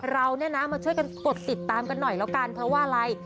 เราเนี่ยนะมาช่วยกันกดติดตามกันหน่อยแล้วกันเพราะว่าอะไร